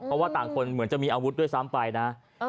เพราะว่าต่างคนเหมือนจะมีอาวุธด้วยซ้ำไปนะ